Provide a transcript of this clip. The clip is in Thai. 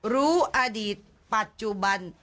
รู้อดีตปัจจุบัน